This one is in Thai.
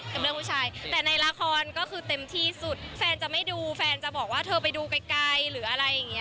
เป็นเรื่องผู้ชายแต่ในละครก็คือเต็มที่สุดแฟนจะไม่ดูแฟนจะบอกว่าเธอไปดูไกลหรืออะไรอย่างนี้